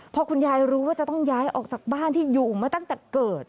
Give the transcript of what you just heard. พอคุณยายรู้ว่าจะต้องย้ายออกจากบ้านที่อยู่มาตั้งแต่เกิด